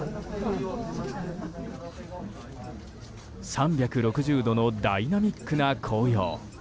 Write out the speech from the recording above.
３６０度のダイナミックな紅葉。